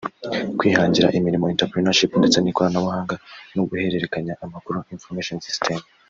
Kwihangira Imirimo (Entrepreneurship) ndetse n’Ikoranabuhanga no guhererekanya amakuru (Information Systems)